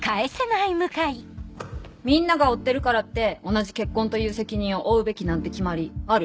みんなが負ってるからって同じ結婚という責任を負うべきなんて決まりある？